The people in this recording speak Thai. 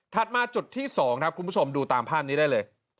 มาจุดที่๒ครับคุณผู้ชมดูตามภาพนี้ได้เลย